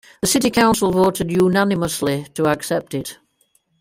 The city council voted unanimously to accept it.